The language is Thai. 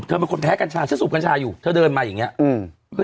เป็นคนแพ้กัญชาฉันสูบกัญชาอยู่เธอเดินมาอย่างเงี้อืม